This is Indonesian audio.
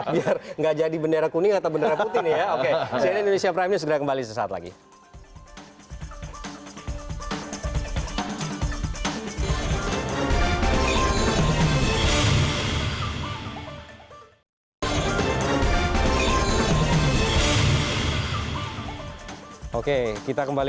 biar nggak jadi bendera kuning atau bendera putih nih ya oke